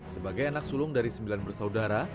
sebagai anak sulung dari sembilan bersaudara